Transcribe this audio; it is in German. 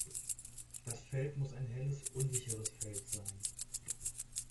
Das Feld muss ein helles, unsicheres Feld sein.